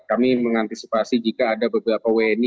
kami mengantisipasi jika ada beberapa wni